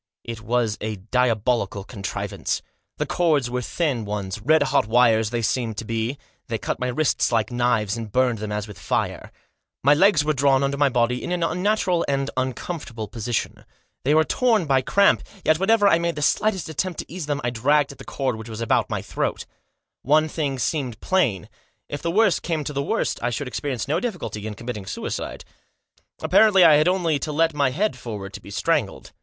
It was a diabolical contrivance. The cords were thin ones — red hot wires they seemed to me to be, they cut my wrists like knives, and burned them as with fire. My legs were drawn under my body in an unnatural and uncomfortable position. They were torn by cramp, yet whenever I made the slightest attempt to THE TRIO BfiTURtf. 911 ease them I dragged at the cord which was abotit tny throat. One thing seemed plain, if the worst came to the worst I should experience no difficulty in com mitting suicide. Apparently I had only to let my head forward to be strangled.